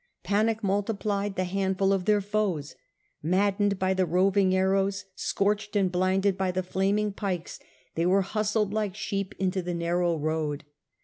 Panic multiplied the handful of their foes. Maddened by the roving arrows, scorched and blinded by the flaming pikes, they were hustled like sheep into the narrow road.